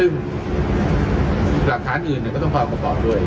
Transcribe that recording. ซึ่งหลักฐานอื่นก็ต้องความประกอบด้วย